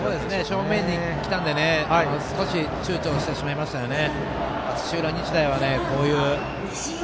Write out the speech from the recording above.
正面にきたので少しちゅうちょしてしまいましたよね。